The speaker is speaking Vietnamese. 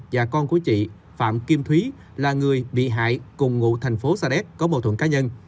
và con của chị phạm kim thúy là người bị hại cùng ngụ thành phố sa đéc có mâu thuẫn cá nhân